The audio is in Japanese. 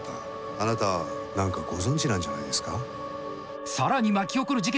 あなた何かご存じなんじゃないですか？